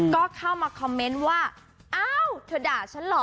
ก็เข้ามาคอมเมนต์ว่าอ้าวเธอด่าฉันเหรอ